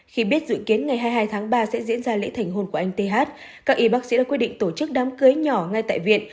khi biết dự kiến ngày hai mươi hai tháng ba sẽ diễn ra lễ thả thành hôn của anh th các y bác sĩ đã quyết định tổ chức đám cưới nhỏ ngay tại viện